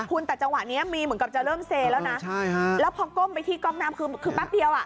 คุณแต่จังหวะนี้มีเหมือนกับจะเริ่มเซแล้วนะแล้วพอก้มไปที่กล้องน้ำคือคือแป๊บเดียวอ่ะ